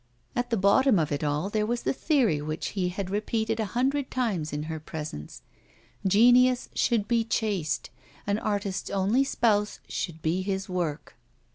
At the bottom of it all, there was the theory which he had repeated a hundred times in her presence: genius should be chaste, an artist's only spouse should be his work.